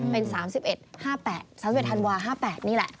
เป็น๓๑ฮันวาห์๕๘นี่แหละ